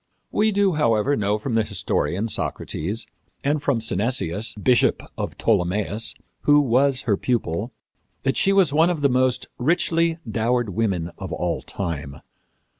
We do, however, know from the historian, Socrates, and from Synesius, bishop of Ptolemais, who was her pupil, that she was one of the most richly dowered women of all time.